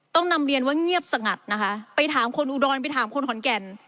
ต้องนำเรียนว่าเงียบสงัดนะคะไปถามคนอุดรไปถามคนขอนแก่น